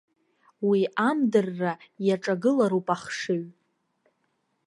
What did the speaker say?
Уи амдырра иаҿагылароуп ахшыҩ.